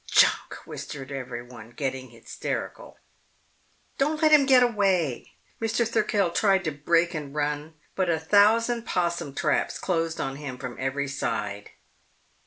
Junk, whispered everyone, getting hysterical. "Don't let him get away!" Mr. Thirkell tried to break and run, but a thousand possum traps closed on him from every side.